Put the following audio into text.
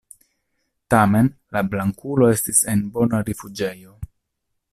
Tamen la Blankulo estis en bona rifuĝejo.